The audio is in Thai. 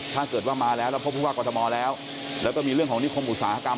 ถ้าเกิดว่ามาแล้วแล้วพบผู้ว่ากรทมแล้วแล้วก็มีเรื่องของนิคมอุตสาหกรรม